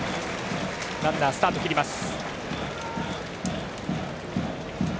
ランナー、スタートを切ります。